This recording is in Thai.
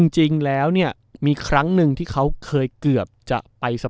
จริงแล้วเนี่ยมีครั้งหนึ่งที่เขาเคยเกือบจะไปเสมอ